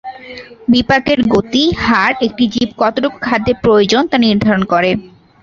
বিপাকের গতি, হার একটি জীব কতটুকু খাদ্যের প্রয়োজন তা নির্ধারণ করে।